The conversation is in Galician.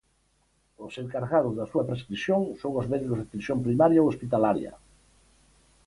Os encargados da súa prescrición son os médicos de atención primaria ou hospitalaria.